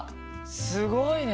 すごいね。